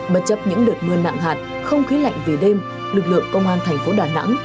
bất chấp những đợt mưa nặng hạt không khí lạnh về đêm lực lượng công an thành phố đà nẵng